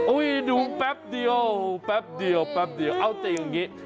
ดูแป๊บเดียวแป๊บเดียวแป๊บเดียวเอาแต่อย่างนี้